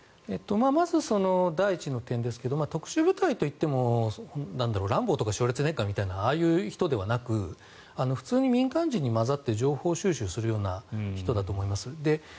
まず、第１の件ですが特殊部隊といってもランボーとかシュワルツェネッガーみたいなああいう人ではなく普通に民間人に混ざって情報収集するような人だと思います。